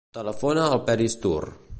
Telefona al Peris Tur.